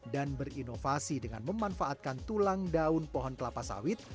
dan berinovasi dengan memanfaatkan tulang daun pohon kelapa sawit